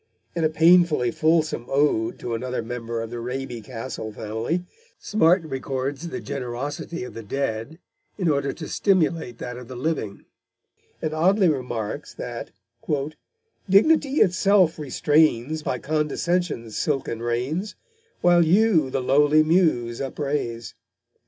In a painfully fulsome ode to another member of the Raby Castle family, Smart records the generosity of the dead in order to stimulate that of the living, and oddly remarks that dignity itself restrains By condescension's silken reins, While you the lowly Muse upraise.